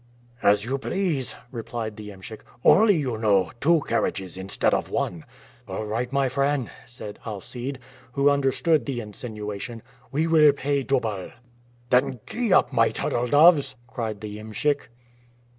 "As you please," replied the iemschik. "Only, you know, two carriages instead of one." "All right, my friend," said Alcide, who understood the insinuation, "we will pay double." "Then gee up, my turtle doves!" cried the iemschik.